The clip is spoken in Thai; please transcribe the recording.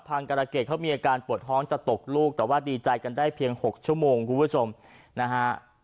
กรเกษเขามีอาการปวดท้องจะตกลูกแต่ว่าดีใจกันได้เพียง๖ชั่วโมงคุณผู้ชมนะฮะ